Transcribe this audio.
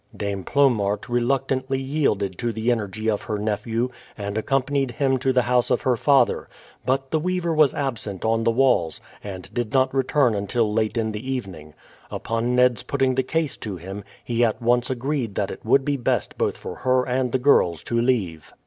Dame Plomaert reluctantly yielded to the energy of her nephew, and accompanied him to the house of her father; but the weaver was absent on the walls, and did not return until late in the evening. Upon Ned's putting the case to him, he at once agreed that it would be best both for her and the girls to leave.